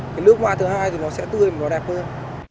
cái nước hoa thứ hai thì nó sẽ tươi và nó đẹp hơn